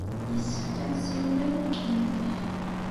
Yessefk ad nessiwel ala nekk yid-k.